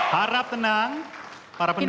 harap tenang para penduduk